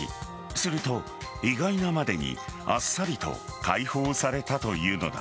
すると、意外なまでにあっさりと解放されたというのだ。